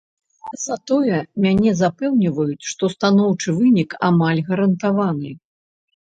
Затое мяне запэўніваюць, што станоўчы вынік амаль гарантаваны.